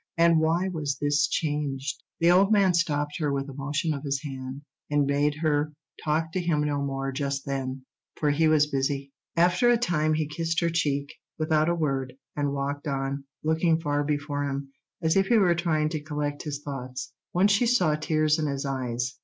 And why was this change?" The old man stopped her with a motion of his hand, and bade her talk to him no more just then, for he was busy. After a time he kissed her cheek, without a word, and walked on, looking far before him, as if he were trying to collect his thoughts. Once she saw tears in his eyes.